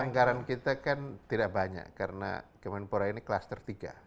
anggaran kita kan tidak banyak karena menpora ini kelas tertiga